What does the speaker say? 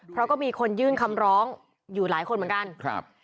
เพราะก็มีคนยื่นคำร้องอยู่หลายคนเหมือนกันครับ